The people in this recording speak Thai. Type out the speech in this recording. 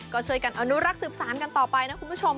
ก็ช่วยกันอนุรักษ์สืบสารกันต่อไปนะคุณผู้ชม